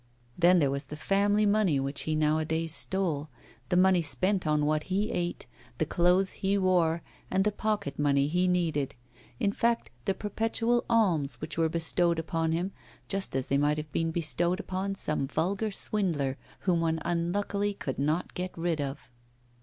Then there was the family money which he nowadays stole, the money spent on what he ate, the clothes he wore, and the pocket money he needed in fact, the perpetual alms which were bestowed upon him, just as they might have been bestowed upon some vulgar swindler, whom one unluckily could not get rid of.